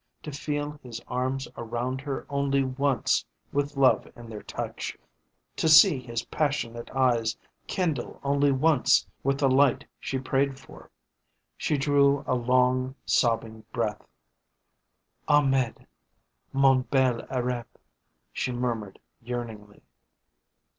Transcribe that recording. To feel his arms around her only once with love in their touch, to see his passionate eyes kindle only once with the light she prayed for. She drew a long sobbing breath. "Ahmed, mon bel Arabe," she murmured yearningly.